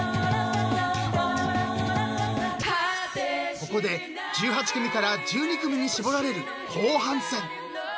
［ここで１８組から１２組に絞られる後半戦］